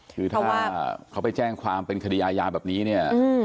คือถ้าเขาไปแจ้งความเป็นคดีอาญาแบบนี้เนี่ย